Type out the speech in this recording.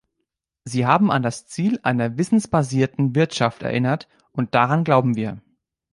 Sie haben an das Ziel einer wissensbasierten Wirtschaft erinnert, und daran glauben wir.